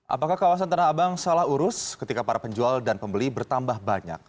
apakah kawasan tanah abang salah urus ketika para penjual dan pembeli bertambah banyak